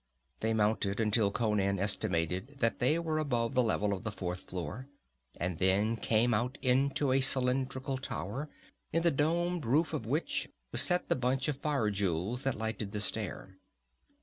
They mounted until Conan estimated that they were above the level of the fourth floor, and then came out into a cylindrical tower, in the domed roof of which was set the bunch of fire jewels that lighted the stair.